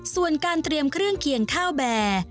ส่วนการเตรียมเครื่องเคียงข้าวแบร์